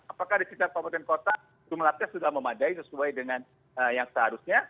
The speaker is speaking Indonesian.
apakah di sekitar kabupaten kota jumlah tes sudah memadai sesuai dengan yang seharusnya